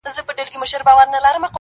راته راگوري د رڼا پر كلي شپـه تـېـــروم,